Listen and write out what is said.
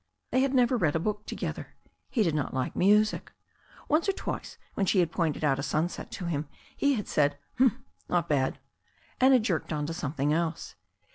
They had never read a book together. He did not like music. Once or twice when she had pointed out a sunset to him he had said, "Humph 1 Not bad/' and had jerked on to something else.